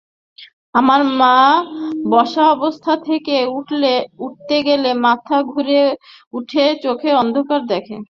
আমার মা বসা অবস্থা থেকে উঠতে গেলে মাথা ঘুরে উঠে চোখে অন্ধকার দেখে।